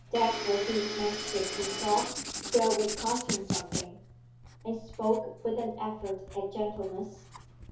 Dagworthy mastered himself, though it cost him something, and spoke with an effort at gentleness.